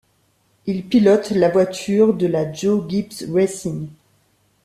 Il pilote la voiture de la Joe Gibbs Racing.